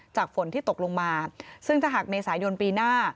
จากฝนที่ตกลงมาซึ่งถ้าหากในสายยนต์ปีหน้า